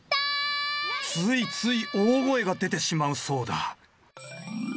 ついつい大声が出てしまうそうだ